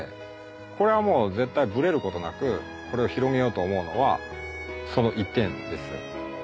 これはもう絶対ぶれる事なくこれを広げようと思うのはその一点です。